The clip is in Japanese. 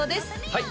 はい